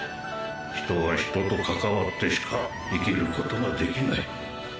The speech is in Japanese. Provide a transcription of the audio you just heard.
人は人と関わってしか生きることができない。